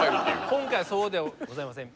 今回はそうではございません。